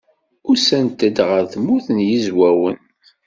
Usant-d ɣer Tmurt n Yizwawen.